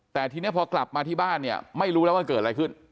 แต่ทีนี้พอกลับมาที่บ้านเนี่ยไม่รู้แล้วว่าเกิดอะไรขึ้น